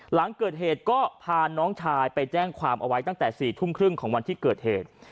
หลังเกิดเหตุก็พาน้องชายไปแจ้งความเอาไว้ตั้งแต่๔ทุ่มครึ่งของวันที่เกิดเหตุ